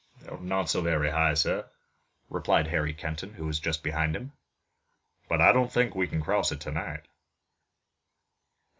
"Not so very high, sir," replied Harry Kenton, who was just behind him, "but I don't think we can cross it tonight."